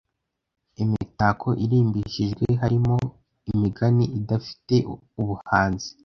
imitako irimbishijwe harimo imigani idafite ubuhanzi